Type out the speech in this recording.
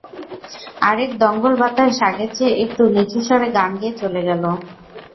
আরেক দঙ্গল বাতাস আগের চেয়ে একটু নিচু স্বরে গান গেয়ে চলে গেল।